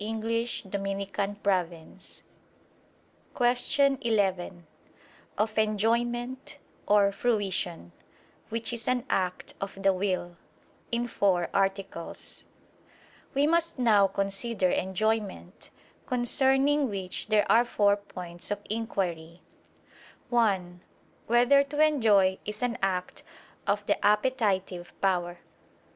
________________________ QUESTION 11 OF ENJOYMENT [*Or, Fruition], WHICH IS AN ACT OF THE WILL (In Four Articles) We must now consider enjoyment: concerning which there are four points of inquiry: (1) Whether to enjoy is an act of the appetitive power?